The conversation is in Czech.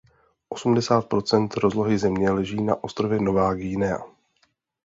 Osmdesát procent rozlohy země leží na ostrově Nová Guinea.